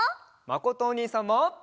まことおにいさんも。